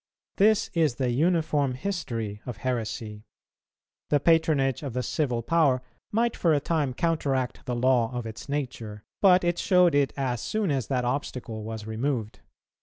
This is the uniform history of heresy. The patronage of the civil power might for a time counteract the law of its nature, but it showed it as soon as that obstacle was removed.